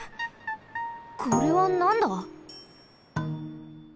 これはなんだ！？